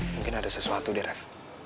mungkin ada sesuatu deh ref